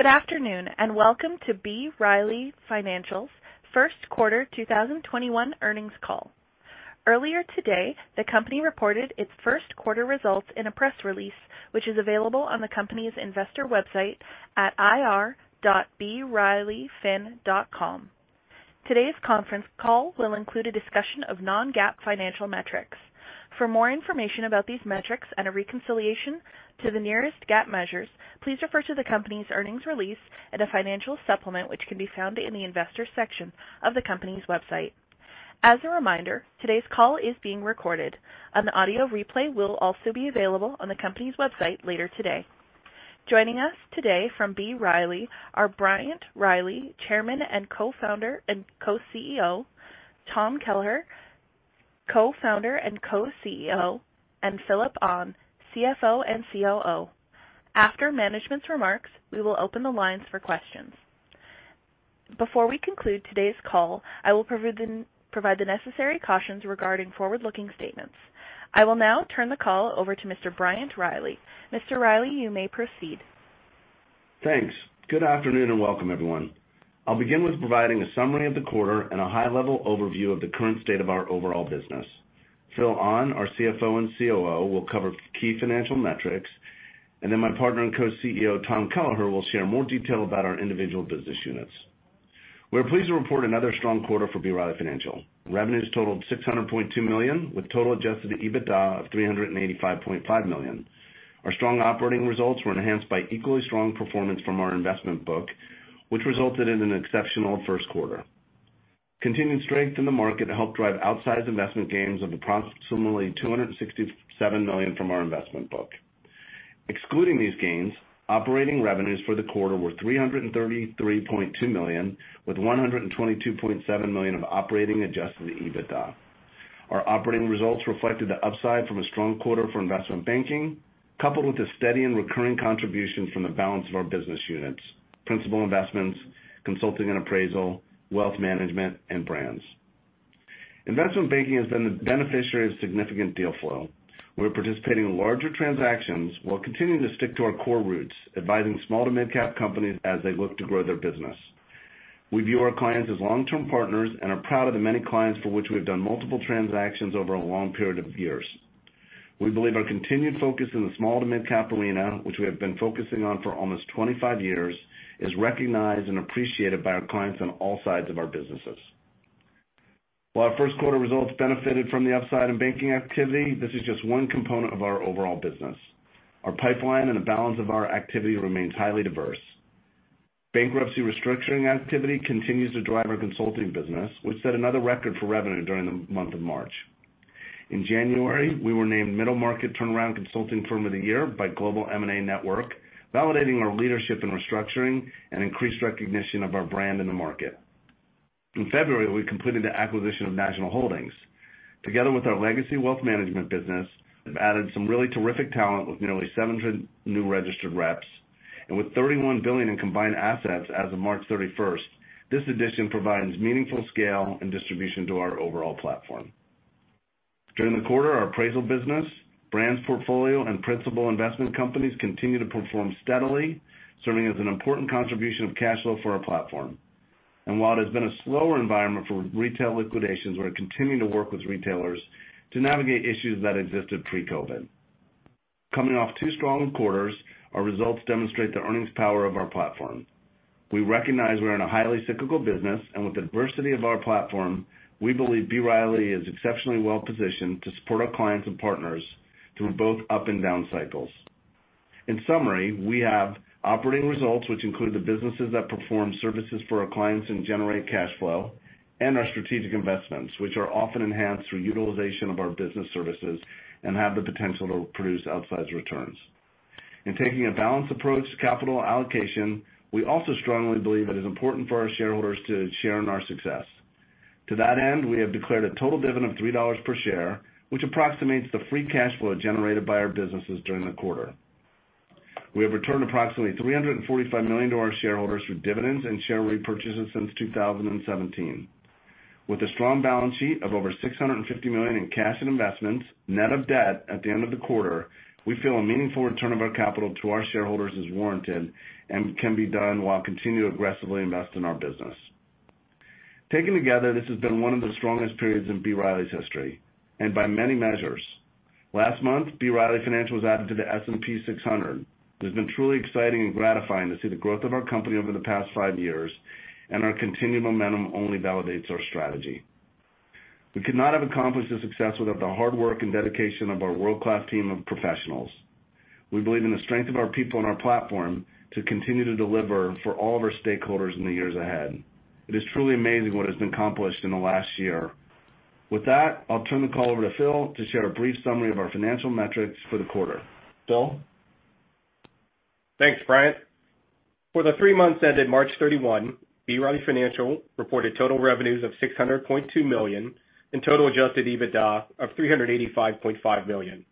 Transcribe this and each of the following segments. Good afternoon, welcome to B. Riley Financial's first quarter 2021 earnings call. Earlier today, the company reported its first quarter results in a press release, which is available on the company's investor website at ir.brileyfin.com. Today's conference call will include a discussion of non-GAAP financial metrics. For more information about these metrics and a reconciliation to the nearest GAAP measures, please refer to the company's earnings release and a financial supplement which can be found in the investor section of the company's website. As a reminder, today's call is being recorded. An audio replay will also be available on the company's website later today. Joining us today from B. Riley are Bryant Riley, Chairman and Co-Founder and Co-CEO, Tom Kelleher, Co-Founder and Co-CEO, and Phillip Ahn, CFO and COO. After management's remarks, we will open the lines for questions. Before we conclude today's call, I will provide the necessary cautions regarding forward-looking statements. I will now turn the call over to Mr. Bryant Riley. Mr. Riley, you may proceed. Thanks. Good afternoon, and welcome, everyone. I'll begin with providing a summary of the quarter and a high-level overview of the current state of our overall business. Phillip Ahn, our CFO and COO, will cover key financial metrics, and then my partner and co-CEO, Tom Kelleher, will share more detail about our individual business units. We're pleased to report another strong quarter for B. Riley Financial. Revenues totaled $600.2 million, with total adjusted EBITDA of $385.5 million. Our strong operating results were enhanced by equally strong performance from our investment book, which resulted in an exceptional first quarter. Continued strength in the market helped drive outsized investment gains of approximately $267 million from our investment book. Excluding these gains, operating revenues for the quarter were $333.2 million, with $122.7 million of operating adjusted EBITDA. Our operating results reflected the upside from a strong quarter for investment banking, coupled with the steady and recurring contribution from the balance of our business units, principal investments, consulting and appraisal, Wealth Management, and Brands. Investment banking has been the beneficiary of significant deal flow. We're participating in larger transactions while continuing to stick to our core roots, advising small to mid-cap companies as they look to grow their business. We view our clients as long-term partners and are proud of the many clients for which we have done multiple transactions over a long period of years. We believe our continued focus in the small to mid-cap arena, which we have been focusing on for almost 25 years, is recognized and appreciated by our clients on all sides of our businesses. While our first quarter results benefited from the upside in banking activity, this is just one component of our overall business. Our pipeline and the balance of our activity remains highly diverse. Bankruptcy restructuring activity continues to drive our consulting business. We set another record for revenue during the month of March. In January, we were named Middle Market Turnaround Consulting Firm of the Year by Global M&A Network, validating our leadership in restructuring and increased recognition of our brand in the market. In February, we completed the acquisition of National Holdings. Together with our legacy wealth management business, we've added some really terrific talent with nearly 700 new registered reps. With $31 billion in combined assets as of March 31st, this addition provides meaningful scale and distribution to our overall platform. During the quarter, our appraisal business, brands portfolio, and principal investment companies continued to perform steadily, serving as an important contribution of cash flow for our platform. While it has been a slower environment for retail liquidations, we're continuing to work with retailers to navigate issues that existed pre-COVID. Coming off two strong quarters, our results demonstrate the earnings power of our platform. We recognize we're in a highly cyclical business, and with the diversity of our platform, we believe B. Riley is exceptionally well-positioned to support our clients and partners through both up and down cycles. In summary, we have operating results, which include the businesses that perform services for our clients and generate cash flow, and our strategic investments, which are often enhanced through utilization of our business services and have the potential to produce outsized returns. In taking a balanced approach to capital allocation, we also strongly believe it is important for our shareholders to share in our success. To that end, we have declared a total dividend of $3 per share, which approximates the free cash flow generated by our businesses during the quarter. We have returned approximately $345 million to our shareholders through dividends and share repurchases since 2017. With a strong balance sheet of over $650 million in cash and investments, net of debt at the end of the quarter, we feel a meaningful return of our capital to our shareholders is warranted and can be done while continuing to aggressively invest in our business. Taken together, this has been one of the strongest periods in B. Riley's history, and by many measures. Last month, B. Riley Financial was added to the S&P 600. It has been truly exciting and gratifying to see the growth of our company over the past five years, and our continued momentum only validates our strategy. We could not have accomplished this success without the hard work and dedication of our world-class team of professionals. We believe in the strength of our people and our platform to continue to deliver for all of our stakeholders in the years ahead. It is truly amazing what has been accomplished in the last year. With that, I'll turn the call over to Phil to share a brief summary of our financial metrics for the quarter. Phil? Thanks, Bryant. For the three months ended March 31, B. Riley Financial reported total revenues of $600.2 million and total adjusted EBITDA of $385.5 million.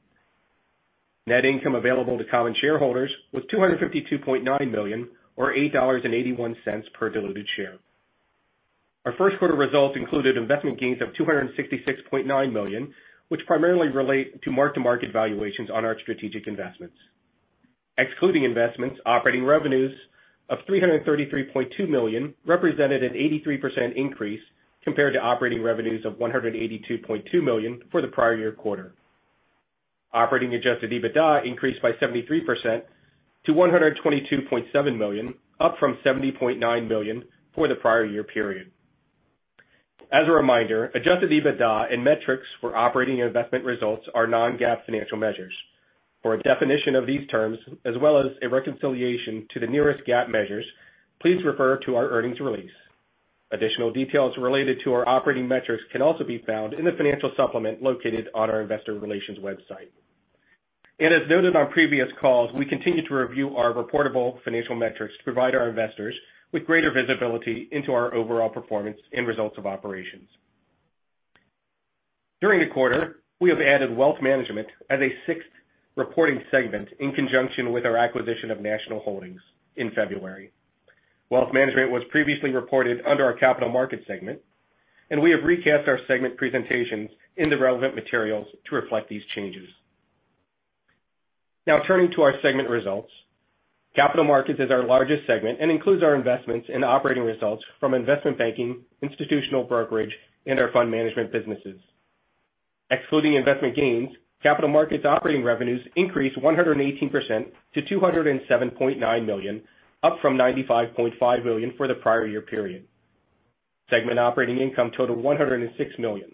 Net income available to common shareholders was $252.9 million or $8.81 per diluted share. Our first quarter results included investment gains of $266.9 million, which primarily relate to mark-to-market valuations on our strategic investments. Excluding investments, operating revenues of $333.2 million represented an 83% increase compared to operating revenues of $182.2 million for the prior year quarter. Operating adjusted EBITDA increased by 73% to $122.7 million, up from $70.9 million for the prior year period. As a reminder, adjusted EBITDA and metrics for operating investment results are non-GAAP financial measures. For a definition of these terms, as well as a reconciliation to the nearest GAAP measures, please refer to our earnings release. Additional details related to our operating metrics can also be found in the financial supplement located on our investor relations website. As noted on previous calls, we continue to review our reportable financial metrics to provide our investors with greater visibility into our overall performance and results of operations. During the quarter, we have added Wealth Management as a sixth reporting segment in conjunction with our acquisition of National Holdings in February. Wealth Management was previously reported under our Capital Markets segment, and we have recast our segment presentations in the relevant materials to reflect these changes. Now turning to our segment results. Capital Markets is our largest segment and includes our investments and operating results from investment banking, institutional brokerage, and our fund management businesses. Excluding investment gains, Capital Markets operating revenues increased 118% to $207.9 million, up from $95.5 million for the prior year period. Segment operating income totaled $106 million.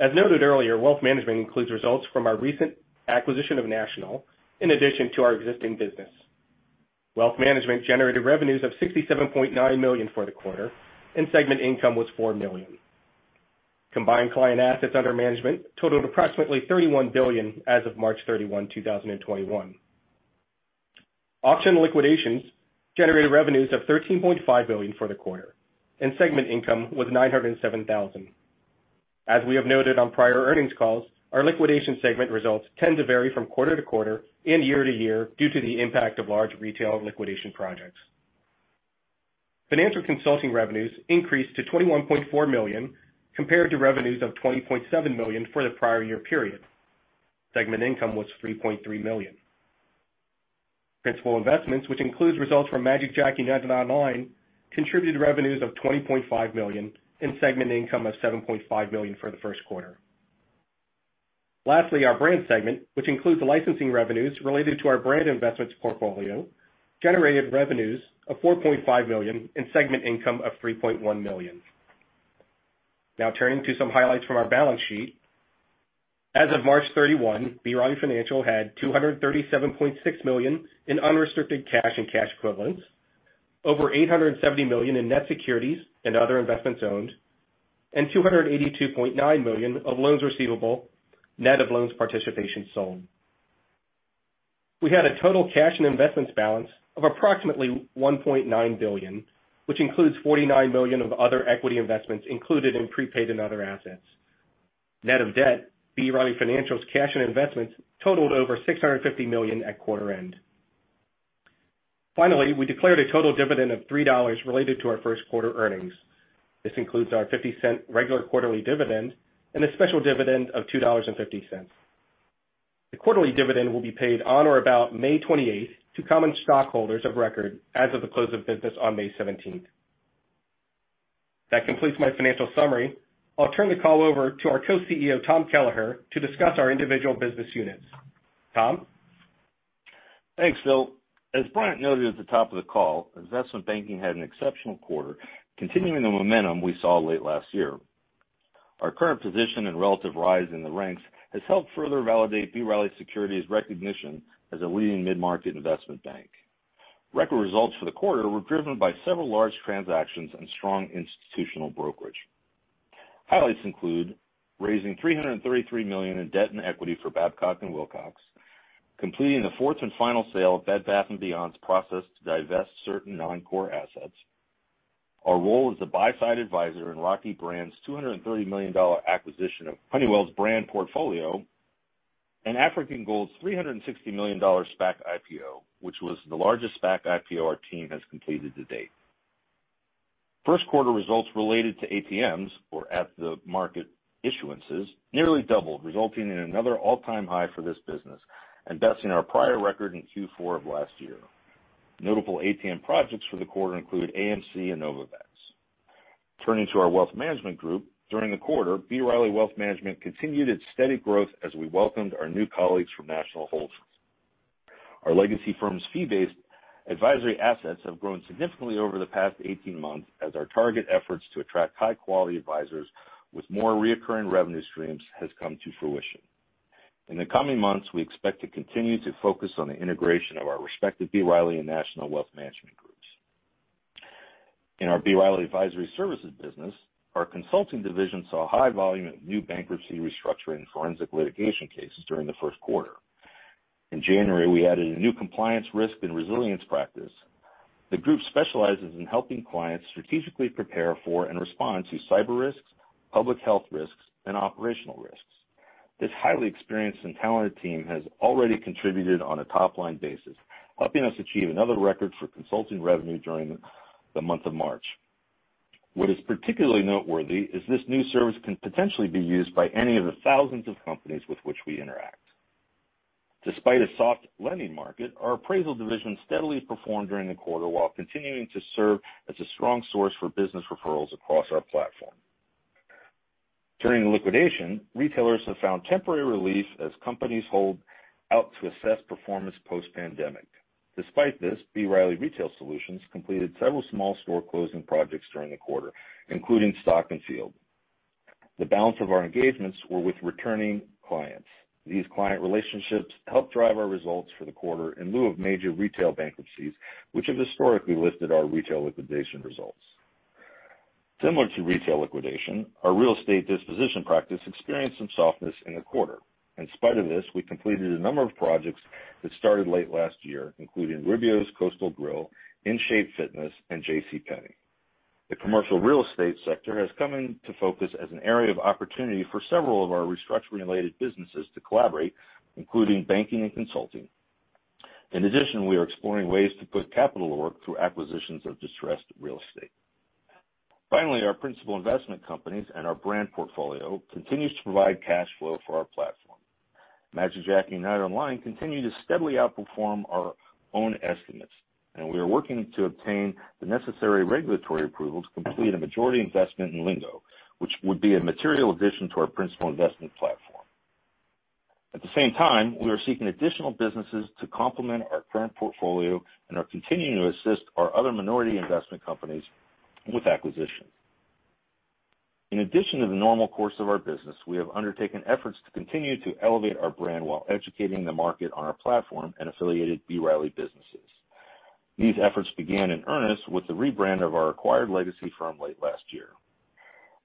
As noted earlier, Wealth Management includes results from our recent acquisition of National, in addition to our existing business. Wealth Management generated revenues of $67.9 million for the quarter, and segment income was $4 million. Combined client assets under management totaled approximately $31 billion as of March 31, 2021. Auction liquidations generated revenues of $13.5 million for the quarter, and segment income was $907,000. As we have noted on prior earnings calls, our liquidation segment results tend to vary from quarter to quarter and year to year due to the impact of large retail liquidation projects. Financial consulting revenues increased to $21.4 million compared to revenues of $20.7 million for the prior year period. Segment income was $3.3 million. Principal investments, which includes results from magicJack and United Online, contributed revenues of $20.5 million and segment income of $7.5 million for the first quarter. Lastly, our brand segment, which includes the licensing revenues related to our brand investments portfolio, generated revenues of $4.5 million and segment income of $3.1 million. Now turning to some highlights from our balance sheet. As of March 31, B. Riley Financial had $237.6 million in unrestricted cash and cash equivalents, over $870 million in net securities and other investments owned, and $282.9 million of loans receivable, net of loan participation sold. We had a total cash and investments balance of approximately $1.9 billion, which includes $49 million of other equity investments included in prepaid and other assets. Net of debt, B. Riley Financial's cash and investments totaled over $650 million at quarter end. Finally, we declared a total dividend of $3 related to our first quarter earnings. This includes our $0.50 regular quarterly dividend and a special dividend of $2.50. The quarterly dividend will be paid on or about May 28th to common stockholders of record as of the close of business on May 17th. That completes my financial summary. I'll turn the call over to our Co-CEO, Tom Kelleher, to discuss our individual business units. Tom? Thanks, Phil. As Bryant Riley noted at the top of the call, investment banking had an exceptional quarter, continuing the momentum we saw late last year. Our current position and relative rise in the ranks has helped further validate B. Riley Securities' recognition as a leading mid-market investment bank. Record results for the quarter were driven by several large transactions and strong institutional brokerage. Highlights include raising $333 million in debt and equity for Babcock & Wilcox, completing the fourth and final sale of Bed Bath & Beyond's process to divest certain non-core assets, our role as a buy side advisor in Rocky Brands $230 million acquisition of Honeywell's brand portfolio, and African Gold's $360 million SPAC IPO, which was the largest SPAC IPO our team has completed to date. First quarter results related to ATMs or at-the-market issuances nearly doubled, resulting in another all-time high for this business and besting our prior record in Q4 of last year. Notable ATM projects for the quarter include AMC and Novavax. Turning to our wealth management group. During the quarter, B. Riley Wealth Management continued its steady growth as we welcomed our new colleagues from National Holdings. Our legacy firm's fee-based advisory assets have grown significantly over the past 18 months as our target efforts to attract high-quality advisors with more reoccurring revenue streams has come to fruition. In the coming months, we expect to continue to focus on the integration of our respective B. Riley and National wealth management groups. In our B. Riley Advisory Services business, our consulting division saw high volume in new bankruptcy restructuring and forensic litigation cases during the first quarter. In January, we added a new compliance risk and resilience practice. The group specializes in helping clients strategically prepare for and respond to cyber risks, public health risks, and operational risks. This highly experienced and talented team has already contributed on a top-line basis, helping us achieve another record for consulting revenue during the month of March. What is particularly noteworthy is this new service can potentially be used by any of the thousands of companies with which we interact. Despite a soft lending market, our appraisal division steadily performed during the quarter while continuing to serve as a strong source for business referrals across our platform. During the liquidation, retailers have found temporary relief as companies hold out to assess performance post-pandemic. Despite this, B. Riley Retail Solutions completed several small store closing projects during the quarter, including Stock+Field. The balance of our engagements were with returning clients. These client relationships helped drive our results for the quarter in lieu of major retail bankruptcies, which have historically lifted our retail liquidation results. Similar to retail liquidation, our real estate disposition practice experienced some softness in the quarter. In spite of this, we completed a number of projects that started late last year, including Rubio's Coastal Grill, In-Shape Fitness, and J.C. Penney. The commercial real estate sector has come into focus as an area of opportunity for several of our restructuring-related businesses to collaborate, including banking and consulting. In addition, we are exploring ways to put capital to work through acquisitions of distressed real estate. Finally, our principal investment companies and our brand portfolio continues to provide cash flow for our platform. magicJack and United Online continue to steadily outperform our own estimates, and we are working to obtain the necessary regulatory approval to complete a majority investment in Lingo, which would be a material addition to our principal investment platform. At the same time, we are seeking additional businesses to complement our current portfolio and are continuing to assist our other minority investment companies with acquisitions. In addition to the normal course of our business, we have undertaken efforts to continue to elevate our brand while educating the market on our platform and affiliated B. Riley businesses. These efforts began in earnest with the rebrand of our acquired legacy firm late last year.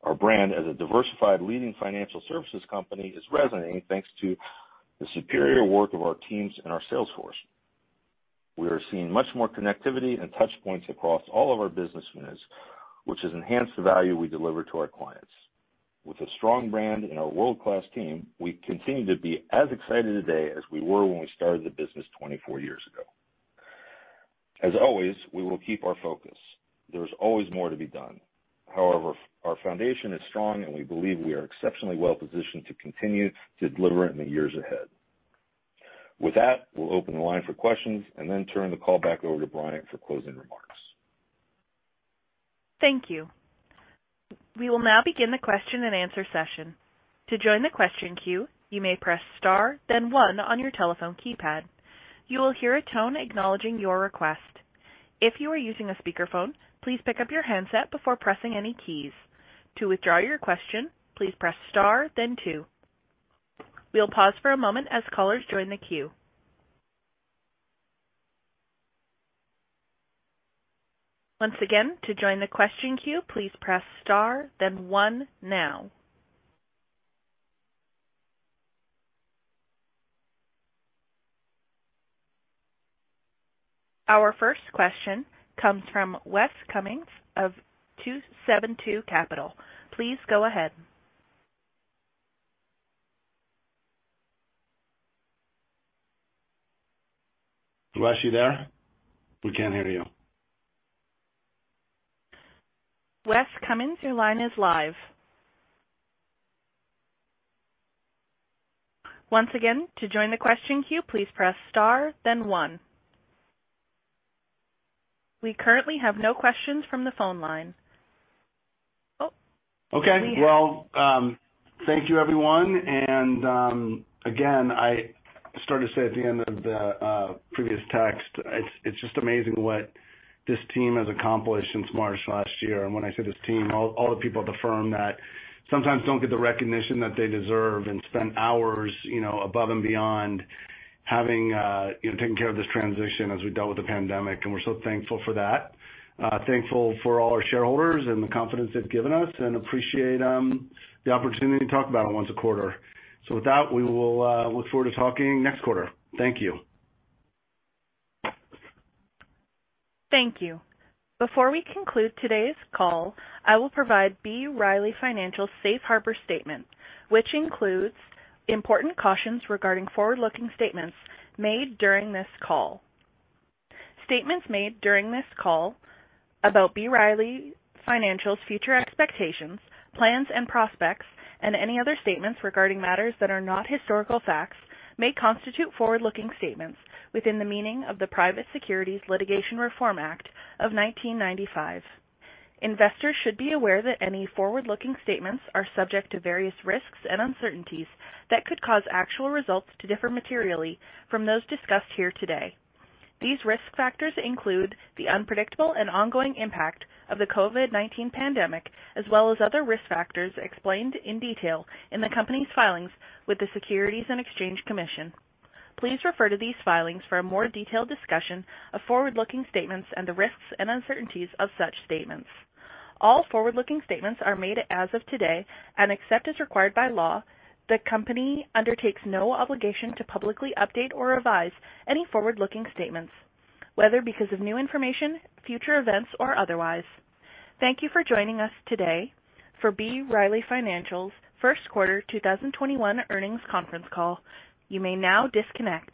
Our brand as a diversified leading financial services company is resonating thanks to the superior work of our teams and our sales force. We are seeing much more connectivity and touchpoints across all of our business units, which has enhanced the value we deliver to our clients. With a strong brand and our world-class team, we continue to be as excited today as we were when we started the business 24 years ago. As always, we will keep our focus. There is always more to be done. However, our foundation is strong, and we believe we are exceptionally well-positioned to continue to deliver in the years ahead. With that, we'll open the line for questions and then turn the call back over to Bryant for closing remarks. Thank you. We will now begin the question and answer session. To join the question queue you may press star then one on your telephone keypad, you will hear a tone acknowledging your request. If you are using a speaker phone please pick-up your handset before pressing any keys. To withdraw your question please press star then two. We'll pause for a moment as callers join the queue. Once again to join the question queue please press star then one now. Our first question comes from Wes Cummins of 272 Capital. Please go ahead. Wes, you there? We can't hear you. Wes Cummins, your line is live. Once again, to join the question queue, please press star then one. We currently have no questions from the phone line. Oh. Okay. Well, thank you, everyone. Again, I started to say at the end of the prepared text, it's just amazing what this team has accomplished since March last year. When I say this team, all the people at the firm that sometimes don't get the recognition that they deserve and spend hours above and beyond having taken care of this transition as we dealt with the pandemic, and we're so thankful for that. Thankful for all our shareholders and the confidence they've given us and appreciate the opportunity to talk about it once a quarter. With that, we will look forward to talking next quarter. Thank you. Thank you. Before we conclude today's call, I will provide B. Riley Financial's Safe Harbor statement, which includes important cautions regarding forward-looking statements made during this call. Statements made during this call about B. Riley Financial's future expectations, plans and prospects, and any other statements regarding matters that are not historical facts may constitute forward-looking statements within the meaning of the Private Securities Litigation Reform Act of 1995. Investors should be aware that any forward-looking statements are subject to various risks and uncertainties that could cause actual results to differ materially from those discussed here today. These risk factors include the unpredictable and ongoing impact of the COVID-19 pandemic as well as other risk factors explained in detail in the company's filings with the Securities and Exchange Commission. Please refer to these filings for a more detailed discussion of forward-looking statements and the risks and uncertainties of such statements. All forward-looking statements are made as of today, and except as required by law, the company undertakes no obligation to publicly update or revise any forward-looking statements, whether because of new information, future events, or otherwise. Thank you for joining us today for B. Riley Financial's first quarter 2021 earnings conference call. You may now disconnect.